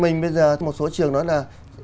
mình bây giờ một số trường nói là